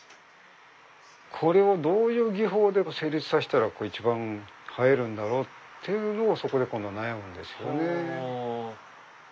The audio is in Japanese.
これをどういう技法で成立させたら一番映えるんだろうっていうのをそこで今度は悩むんですよね。